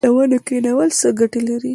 د ونو کینول څه ګټه لري؟